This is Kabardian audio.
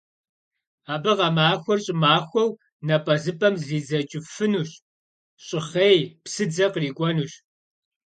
Абы гъэмахуэр щӀымахуэу напӀэзыпӀэм зридзэкӀыфынущ, щӀыхъей, псыдзэ кърикӀуэнущ.